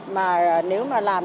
mà nếu mà làm